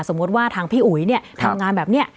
ว่าทางพี่อุ๋ยเนี่ยทำงานแบบนี้